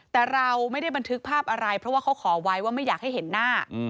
แต่เราไม่ได้บันทึกภาพอะไรเพราะว่าเขาขอไว้ว่าไม่อยากให้เห็นหน้า